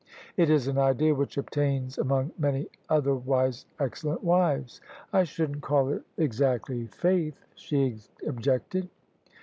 It is an idea which obtains among many other wise excellent wives. "I shouldn't call it exactly faith," she objected.